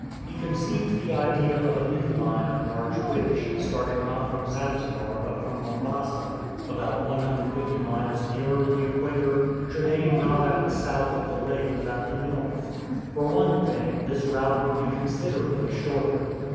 He con ceived the idea of a new line of march which, starting not from Zanzibar but from Mombasa, about 150 miles nearer the Equator, should aim not at the south of the lake but at the north. For one thing, this route would be con siderably shorter.